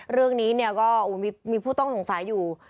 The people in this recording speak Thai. เรื่องนี้ก็มีผู้ต้องสงสัยอยู่